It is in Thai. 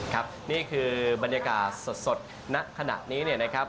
ครับนี่คือบรรยากาศสดณขณะนี้เนี่ยนะครับ